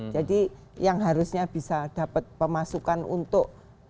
jadi yang harusnya bisa dapat pemasukan untuk pengangguran